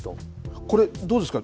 これ、どうですか。